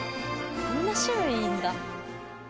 こんな種類いんだ。